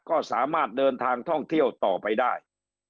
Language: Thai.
ก็สามารถเดินทางท่องเที่ยวต่อไปได้